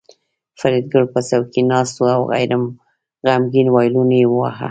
فریدګل په څوکۍ ناست و او غمګین وایلون یې واهه